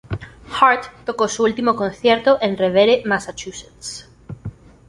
Heart tocó su último concierto en Revere, Massachusetts.